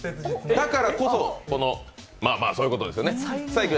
だからこそ、このそういうことですよね。